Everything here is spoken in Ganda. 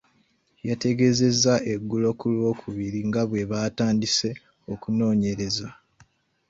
Yategeezezza eggulo ku Lwokubiri nga bwe baatandise okunoonyereza.